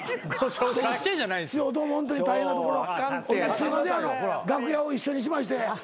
すいません楽屋を一緒にしましてホントに。